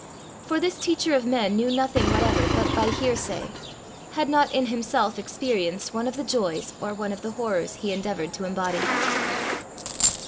For this teacher of men knew nothing whatever but by hearsay, had not in himself experienced one of the joys or one of the horrors he endeavoured to embody.